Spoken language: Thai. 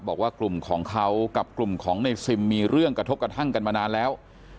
บอกว่ากลุ่มของเขากับกลุ่มของในซิมมีเรื่องกระทบกระทั่งกันมานานแล้ว